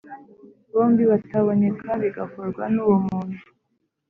bombi bataboneka bigakorwa n uwo muntu